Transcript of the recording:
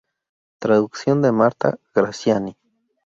Traducción de Marta Graziani.